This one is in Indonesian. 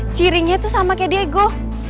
ciringnya itu selalu diperlukan untuk menjaga diri saya